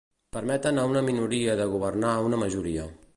Permeten a una minoria de governar una majoria.